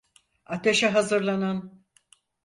Ateşe hazırlanın!